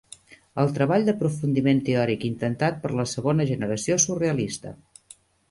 El treball d'aprofundiment teòric intentat per la segona generació surrealista.